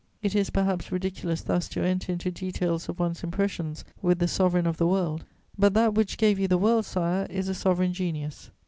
It is perhaps ridiculous thus to enter into details of one's impressions with the sovereign of the world; but that which gave you the world, Sire, is a sovereign genius.